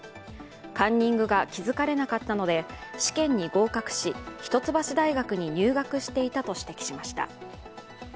カンニングが気付かれなかったので試験に合格し一橋大学に入学していたと指摘しました。